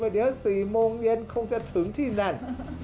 เดี๋ยว๔โมงเย็นคงจะถึงที่นั่น